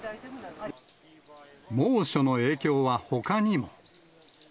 猛暑の影響はほかにも。